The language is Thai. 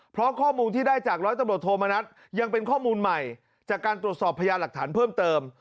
เพราะข้อมูลที่ได้จากร้อยตำรวจโทมณัฐยังเป็นข้อมูลใหม่จากการตรวจสอบพญาหลักฐานเพิ่มเติม